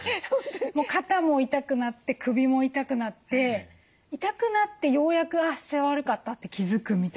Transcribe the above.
肩も痛くなって首も痛くなって痛くなってようやく「あ姿勢悪かった」って気付くみたいな感じです。